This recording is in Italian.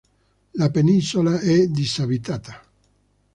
La penisola è disabitata.